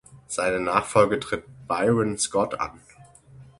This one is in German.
Seine Nachfolge tritt Byron Scott an.